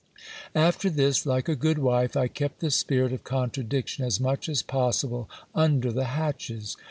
After this, like a good wife, I kept the spirit of contradiction as much as possible under the hatches.